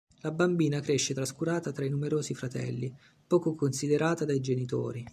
La bambina cresce trascurata tra i numerosi fratelli, poco considerata dai genitori.